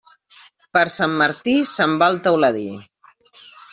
Per Sant Martí se'n va el teuladí.